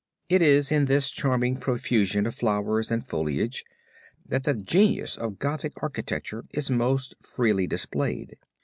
It is in this charming profusion of flowers and foliage that the genius of Gothic architecture is most freely displayed.